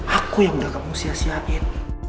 aku yang udah kamu sia siain